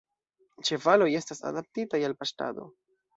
Ĉevaloj estas adaptitaj al paŝtado.